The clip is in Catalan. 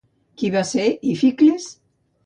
Qui va ser Íficles?